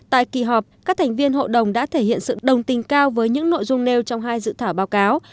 tại kỳ họp các thành viên hội đồng đã thể hiện sự đồng tình cao với những nội dung nêu trong hai dự thảo báo cáo